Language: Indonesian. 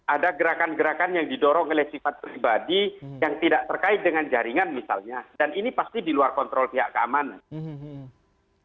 ada gerakan gerakan yang didorong oleh sifat pribadi yang tidak terkait dengan jaringan misalnya dan ini pasti di luar kontrol pihak keamanan